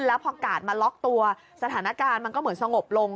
แล้วพอกาดมาล็อกตัวสถานการณ์มันก็เหมือนสงบลง